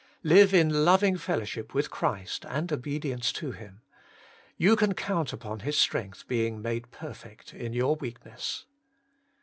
Live in loving fellowship with Christ, and obedience to Him. You can count upon His strength being made per fect in your weakness.